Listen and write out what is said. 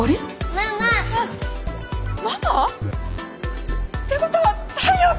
ママ！ママ？ってことは太陽君！